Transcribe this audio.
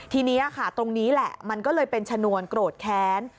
ทีนี้ค่ะตรงนี้แหละมันก็เลยเป็นชนวนโกรธแค้น